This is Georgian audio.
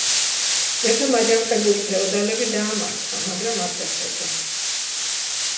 მეფემ აჯანყებული ფეოდალები დაამარცხა, მაგრამ არ დასაჯა.